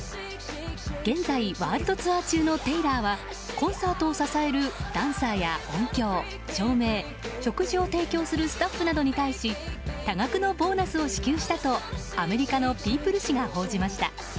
現在、ワールドツアー中のテイラーはコンサートを支えるダンサーや音響、照明食事を提供するスタッフなどに対し多額のボーナスを支給したとアメリカの「ピープル」誌が報じました。